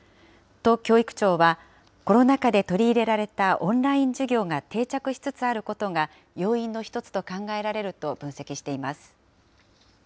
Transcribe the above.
都教育庁は、コロナ禍で取り入れられたオンライン授業が定着しつつあることが、要因の１つと考えられると分析しています。